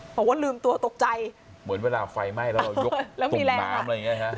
บอกว่าลืมตัวตกใจเหมือนเวลาไฟไหม้แล้วเรายกส่งน้ำอะไรอย่างเงี้ฮะ